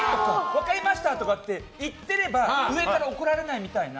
分かりました！とか言ってれば上から怒られないみたいな。